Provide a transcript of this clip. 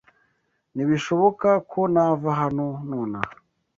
Ntibishoboka ko nava hano nonaha